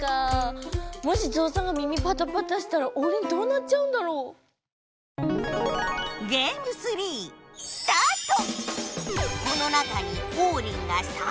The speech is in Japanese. もしゾウさんが耳パタパタしたらオウリンどうなっちゃうんだろう？スタート！